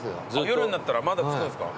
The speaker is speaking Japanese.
夜になったらまだつくんですか。